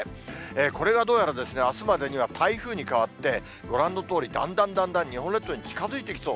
これがどうやらあすまでには台風に変わって、ご覧のとおり、だんだんだんだん日本列島に近づいてきそう。